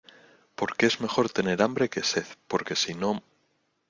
porque es mejor tener hambre que sed, porque sino